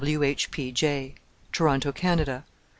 W. H. P. J. TORONTO, CANADA.